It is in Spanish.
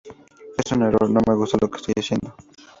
Es un error, no me gusta lo que estoy haciendo'.